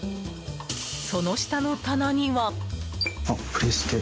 その下の棚には。